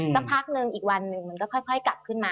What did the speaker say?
สักพักหนึ่งอีกวันหนึ่งมันก็ค่อยกลับขึ้นมา